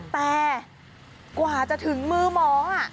แต่กว่าจะถึงมือหมอ